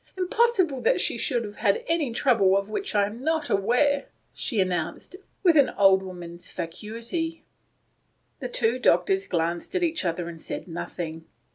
Impossible that she should have had any trouble of which I am not aware," she announced, with all an old woman's fatuity. The two doctors glanced at each other and said nothing.